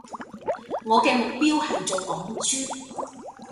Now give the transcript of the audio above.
我嘅目標係做港豬